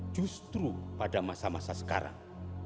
justru pada masa masa sekarang